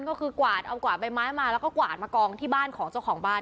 ก็คือกวาดเอากวาดใบไม้มาแล้วก็กวาดมากองที่บ้านของเจ้าของบ้าน